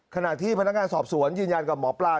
ขณะที่พนักงานสอบสวนยืนยันกับหมอปลา